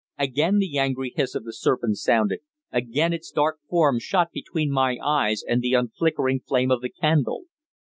Again the angry hiss of the serpent sounded. Again its dark form shot between my eyes and the unflickering flame of the candle.